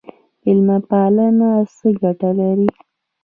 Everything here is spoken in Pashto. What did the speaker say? میلمه پالنه څه ګټه لري؟